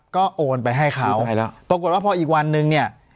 ก็โอนไปให้เขาใช่แล้วปรากฏว่าพออีกวันนึงเนี่ย